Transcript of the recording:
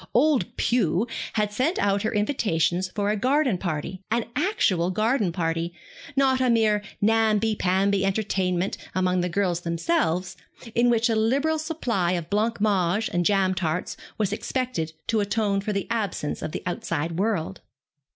'Old Pew,' had sent out her invitations for a garden party, an actual garden party not a mere namby pamby entertainment among the girls themselves, in which a liberal supply of blanc mange and jam tarts was expected to atone for the absence of the outside world.